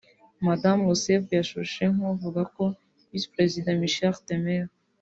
madamu Rousseff yashushe nk'uvuga ko visi perezida Michel Temer